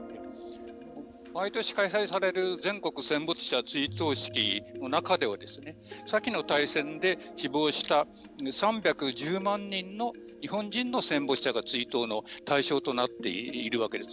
毎年開催される全国戦没者追悼式の中では先の大戦で死亡した３１０万人の日本人の戦没者が追悼の対象になっているわけです。